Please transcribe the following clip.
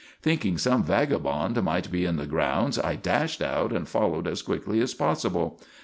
Thinking some vagabond might be in the grounds, I dashed out and followed as quickly as possible.